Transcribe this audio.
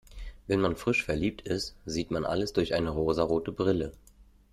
Wenn man frisch verliebt ist, sieht man alles durch eine rosarote Brille.